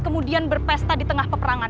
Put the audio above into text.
kemudian berpesta di tengah peperangan